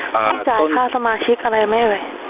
ต้องจ่ายค่าสมาชิกอะไรไหมเอ่ย